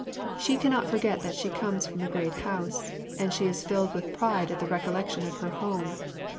She cannot forget that she comes from a great house, and she is filled with pride at the recollection of her home.